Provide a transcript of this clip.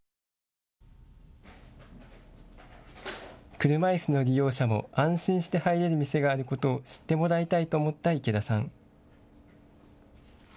車いすの利用者も安心して入れる店があることを知ってもらいたいと思った池田さん。